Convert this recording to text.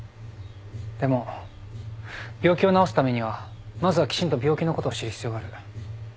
でも病気を治すためにはまずはきちんと病気のことを知る必要がある。